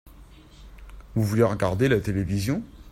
Vous voulez regarder la télévision ?